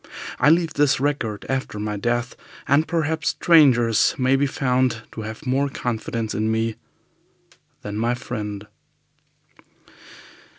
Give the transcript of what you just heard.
I leave this record after my death, and perhaps strangers may be found to have more confidence in me than my friend."